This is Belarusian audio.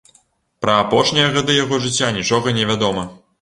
Пра апошнія гады яго жыцця нічога не вядома.